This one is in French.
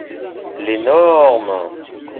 L'énorme.